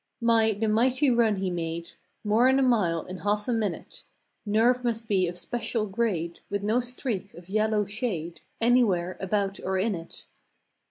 My, the mighty run he made! More'n a mile in half a minute ! Nerve must be of special grade With no streak of yellow shade Anywhere about or in it.